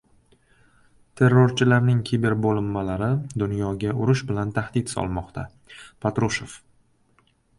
Terrorchilarning kiber bo‘linmalari dunyoga urush bilan tahdid solmoqda – Patrushev